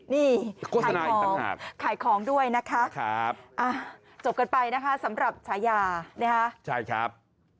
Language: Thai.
นี่ขายของขายของด้วยนะคะจบกันไปนะคะสำหรับฉายานะคะใช่ครับ